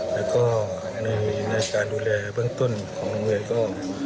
แล้วก็ในการดูแลเบื้องต้นของโรงเรียนก็